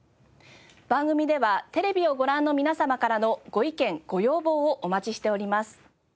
番組ではテレビをご覧の皆様からのご意見ご要望をお待ちしております。